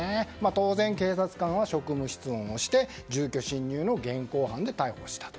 当然、警察官は職務質問して住居侵入の現行犯で逮捕したと。